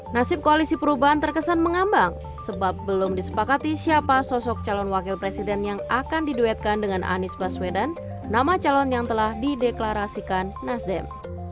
nasib koalisi perubahan terkesan mengambang sebab belum disepakati siapa sosok calon wakil presiden yang akan diduetkan dengan anies baswedan nama calon yang telah dideklarasikan nasdem